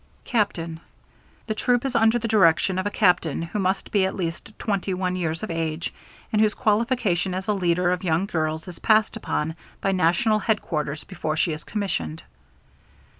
Captain. The troop is under the direction of a Captain, who must be at least 21 years of age and whose qualification as a leader of young girls is passed upon by national headquarters before she is commissioned.